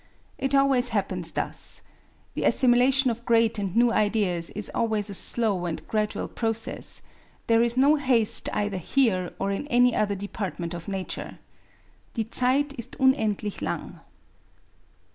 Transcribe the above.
It always happens thus: the assimilation of great and new ideas is always a slow and gradual process: there is no haste either here or in any other department of Nature. _Die Zeit ist unendlich lang.